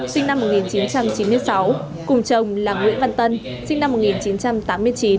sinh năm một nghìn chín trăm chín mươi sáu cùng chồng là nguyễn văn tân sinh năm một nghìn chín trăm tám mươi chín